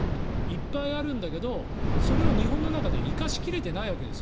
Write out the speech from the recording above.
いっぱいあるんだけどそれを日本の中で生かし切れていないわけです。